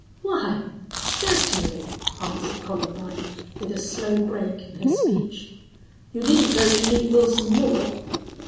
"Why certainly!" answered Columbine, with a slow break in her speech. "You didn't go to meet Wilson Moore?"